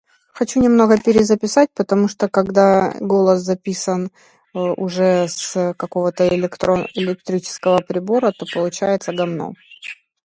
Этот процесс, очевидно, потребовал бы много времени и дискуссий на этой Конференции.